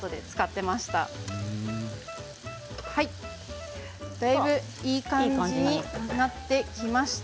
お鍋がだいぶいい感じになってきました。